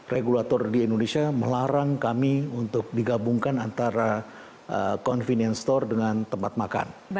regulator di indonesia melarang kami untuk digabungkan antara convenience store dengan tempat makan